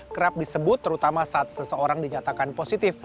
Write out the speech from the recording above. kerap disebut terutama saat seseorang dinyatakan positif